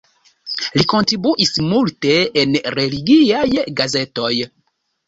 Li kontribuis multe en religiaj gazetoj.